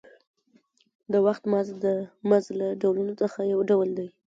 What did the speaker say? د وخت مزد د مزد له ډولونو څخه یو ډول دی